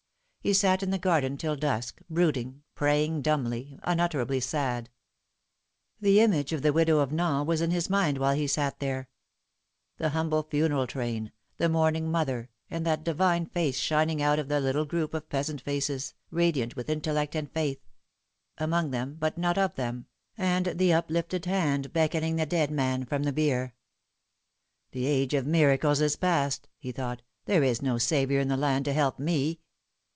He sat in the garden till dusk, brooding, praying dumbly, unutterably sad. The image of the widow of Nain was in his mind while he sat there. The humble funeral train, the mourn ing mother, and that divine face shining out of the little group of peasant faces, radiant with intellect and faith among them, but not of them and the uplifted hand beckoning the dead man from the bier. " The age of miracles is past," he thought :" there is no Saviour in the land to help me